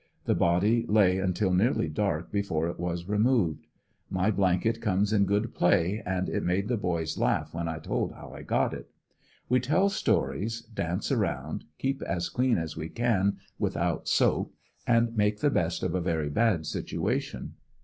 The body lay until ANDER80NVILLE DIARY. 15 nearly dark before it was removed. My blanket comes in good play, and it made the boys laugh when I told how 1 got it. We tell stories, dance around, keep as clean as we can without soap and make the best of a very bad situation.